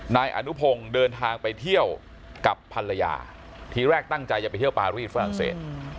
นายอนุพงศ์เดินทางไปเที่ยวกับภรรยาทีแรกตั้งใจจะไปเที่ยวปารีสฝรั่งเศส